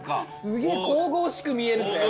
すげえ神々しく見えるぜ！